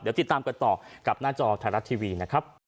เดี๋ยวติดตามกันต่อกับหน้าจอไทยรัฐทีวีนะครับ